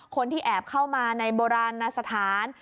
คนที่แอบเข้ามาในโบราณสถาน